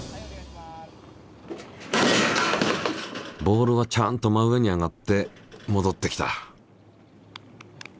ボールはちゃんと真上に上がって戻ってきた。